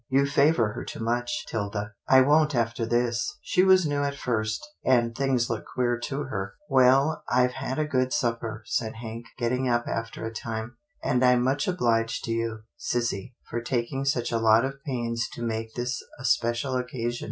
You favour her too much, 'Tilda." " I won't after this, she was new at first, and things looked queer to her." 'TILDA JANE'S ERRAND 51 " Well, I've had a good supper," said Hank, getting up after a time, and I'm much obliged to you, sissy, for taking such a lot of pains to make this a special occasion.